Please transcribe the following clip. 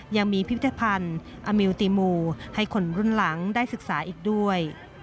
ยังมีพิพิธภัณฑ์อมิวติมูให้คนรุ่นหลังได้ศึกษาอีกด้วย